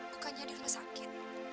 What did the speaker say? bukannya di rumah sakit